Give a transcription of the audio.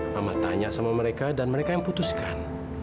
mama tanya sama mereka dan mereka yang putuskan